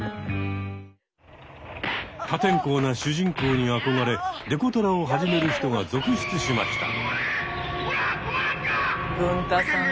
破天荒な主人公に憧れデコトラを始める人が続出しました。